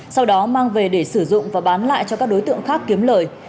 sau đó mang về để sử dụng và bán lại cho các đối tượng khác kiếm lời